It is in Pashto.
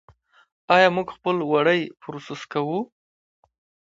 آیا موږ خپل وړۍ پروسس کوو؟